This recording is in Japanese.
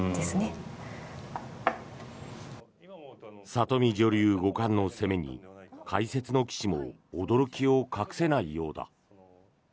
里見女流五冠の攻めに解説の棋士も驚きを隠せないようだ。